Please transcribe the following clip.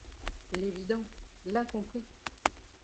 L’évident, l’incompris ;